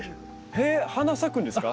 えっ花咲くんですか？